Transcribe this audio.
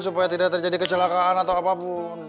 supaya tidak terjadi kecelakaan atau apapun